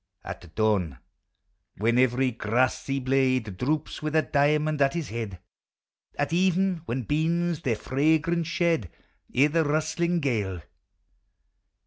At dawn, when every grassy blade Droops with a diamond at his head. At even, when beans their fragrance shed, I' the rustling gale.